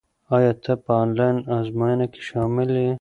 ایا ته په انلاین ازموینه کې شامل یې؟